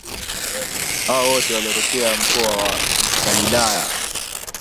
Hao wote walitokea mkoa wa Galilaya